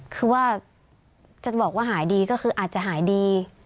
คือว่าจะบอกว่าหายดีก็คืออาจจะหายดี